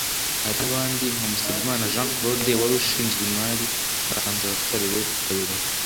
Hari kandi n’abandi nka Musabyimana Jean Claude wari ushinzwe imari mu Karere ka Musanze watorewe kukayobora